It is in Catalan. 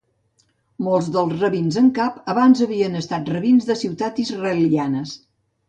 Molts dels Rabins en Cap, abans havien estat rabins de ciutats israelianes.